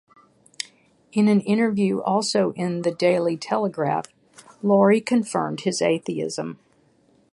In an interview also in "The Daily Telegraph", Laurie confirmed his atheism.